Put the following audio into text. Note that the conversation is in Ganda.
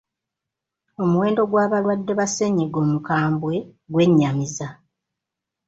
Omuwendo gw'abalwadde ba ssennyiga omukambwe gwe nnyamiza.